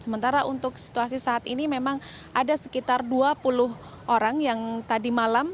sementara untuk situasi saat ini memang ada sekitar dua puluh orang yang tadi malam